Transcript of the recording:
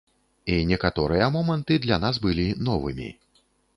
І некаторыя моманты для нас былі новымі.